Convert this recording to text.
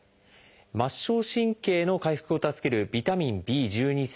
末梢神経の回復を助けるビタミンＢ製剤。